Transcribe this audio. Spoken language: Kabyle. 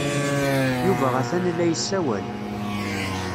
Yuba atan la yessawal.